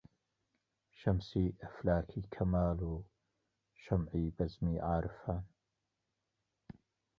شەمسی ئەفلاکی کەماڵ و شەمعی بەزمی عارفان